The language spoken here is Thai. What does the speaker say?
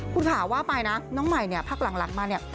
คุณผ่าว่าไปน้้องใหม่พักหลังมาเนี่ย